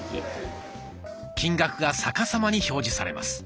金額が逆さまに表示されます。